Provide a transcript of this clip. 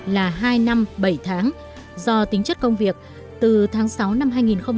đến tháng ba năm hai nghìn một mươi hai là hai năm bảy tháng do tính chất công việc từ tháng sáu năm hai nghìn một mươi năm